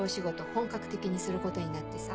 本格的にすることになってさ。